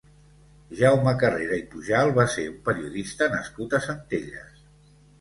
Jaume Carrera i Pujal va ser un periodista nascut a Centelles.